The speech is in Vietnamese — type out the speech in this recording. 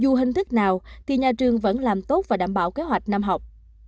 dù hình thức nào thì nhà trường vẫn làm tốt và đảm bảo kế hoạch năm học